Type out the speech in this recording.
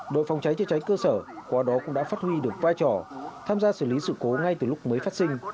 đội phòng cháy chữa cháy cơ sở qua đó cũng đã phát huy được vai trò tham gia xử lý sự cố ngay từ lúc mới phát sinh